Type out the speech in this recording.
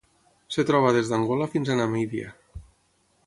Es troba des d'Angola fins a Namíbia.